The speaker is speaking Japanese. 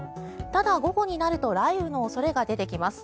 ただ、午後になると雷雨の恐れが出てきます。